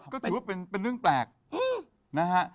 ก็ถือว่าเป็นเรื่องแปลกนะฮะ